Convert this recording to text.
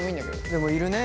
でもいるね。